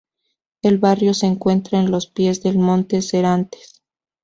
El barrio se encuentra en los pies del monte Serantes.